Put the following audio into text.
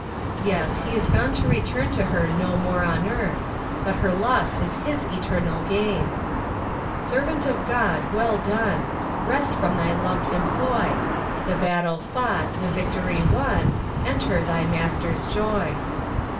Yes, he is gone to return to her no more on earth, but her loss is his eternal gain. Servant of God well done! Rest from thy loved employ; The battle fought, the victory won, Enter thy Master's joy.